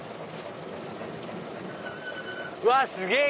うわすげぇ！